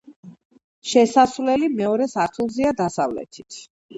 შესასვლელი მეორე სართულზეა, დასავლეთით.